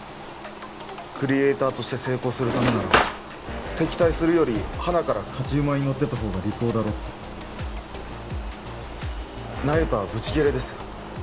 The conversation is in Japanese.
クリエイターとして成功するためなら敵対するよりはなから勝ち馬に乗ってた方が利口だろって那由他はブチ切れですよ